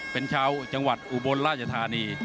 เป็นชาวจังหวัดอุบลราชธานี